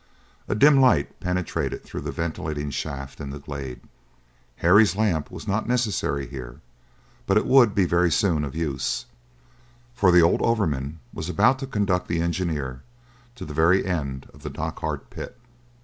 A dim light penetrated through the ventilating shaft into the glade. Harry's lamp was not necessary here, but it would very soon be of use, for the old overman was about to conduct the engineer to the very end of the Dochart pit.